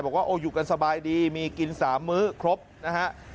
บอกว่าโอ้อยู่กันสบายดีมีกิน๓มื้อครบนะฮะ